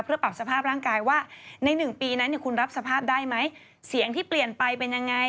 เพื่อปรับสภาพร่างกายว่าในหนึ่งปีนั้นคุณรับสภาพได้ไหมเสียงที่เปลี่ยนไปเป็นยังไง